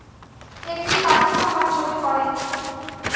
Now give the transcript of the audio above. একটি পাখিও আমার চোখে পড়ে নি।